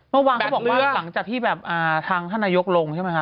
เมื่อวานเขาบอกว่าหลังจากทางธนยกลงใช่ไหมฮะ